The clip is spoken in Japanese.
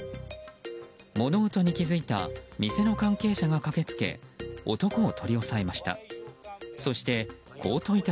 物音に気付いた店の関係者が駆けつけ男を取り押さえました。